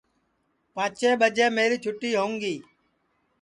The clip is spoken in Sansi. پانٚچیں ٻجے میری چھُتی ہوؤں گی